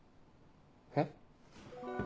えっ？